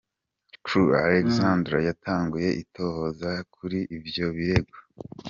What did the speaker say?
Crewe Alexandra yatanguye itohoza kuri ivyo birego.